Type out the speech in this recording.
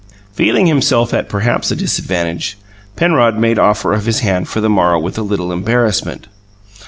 Feeling himself at perhaps a disadvantage, Penrod made offer of his hand for the morrow with a little embarrassment.